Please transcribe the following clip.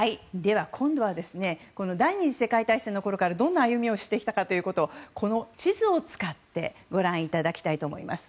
今度は第２次世界大戦のころからどんな歩みをしてきたかをこの地図を使ってご覧いただきたいと思います。